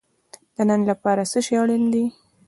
د نن لپاره څه شی اړین دی؟